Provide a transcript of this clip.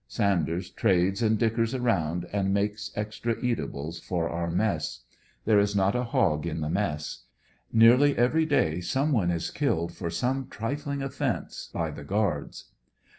Sanders trades and dickers around and makes extra eatables f •)r our mess. There is not a hog in the mess. Nearly every day some one is killed for some trifling offense, by the guards.